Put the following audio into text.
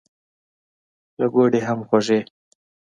له ګوړې هم خوږې.